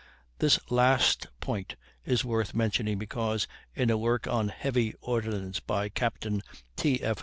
This last point is worth mentioning, because in a work on "Heavy Ordnance," by Captain T. F.